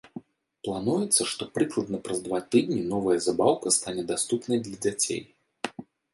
Плануецца, што прыкладна праз два тыдні новая забаўка стане даступнай для дзяцей.